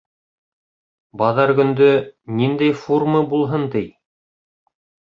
Баҙар көндө ниндәй фурмы булһын, ти?